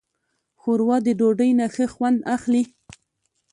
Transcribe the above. ښوروا د ډوډۍ نه ښه خوند اخلي.